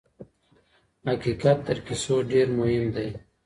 حقیقت تر کیسو ډېر مهم دی.